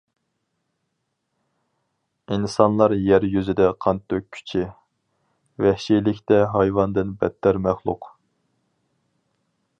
ئىنسانلار يەر يۈزىدە قان تۆككۈچى، ۋەھشىيلىكتە ھايۋاندىن بەتتەر مەخلۇق.